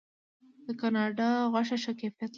د کاناډا غوښه ښه کیفیت لري.